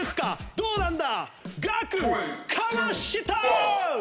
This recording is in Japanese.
どうなんだ？